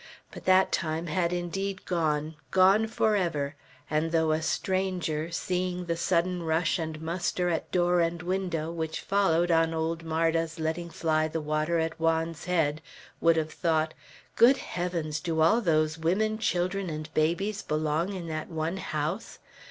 But that time had indeed gone, gone forever; and though a stranger, seeing the sudden rush and muster at door and window, which followed on old Marda's letting fly the water at Juan's head, would have thought, "Good heavens, do all those women, children, and babies belong in that one house!"